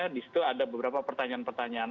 di situ ada beberapa pertanyaan pertanyaan